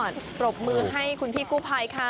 ปรบมือให้คุณพี่กู้ภัยค่ะ